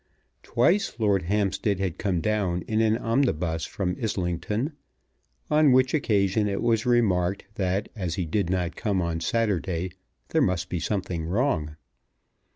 Twice Lord Hampstead had come down in an omnibus from Islington; on which occasion it was remarked that as he did not come on Saturday there must be something wrong.